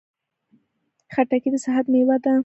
خټکی د صحت مېوه ده.